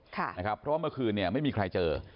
เพราะว่าเมื่อคืนเนี่ยไม่มีใครเจอ